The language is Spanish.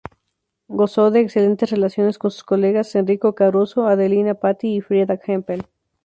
Gozó de excelentes relaciones con sus colegas Enrico Caruso, Adelina Patti y Frieda Hempel.